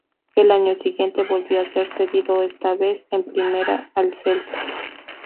Al año siguiente volvió a ser cedido esta vez en primera al Celta.